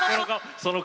その顔。